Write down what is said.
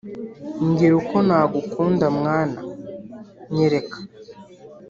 mbwira uko nagukunda mwana (nyereka)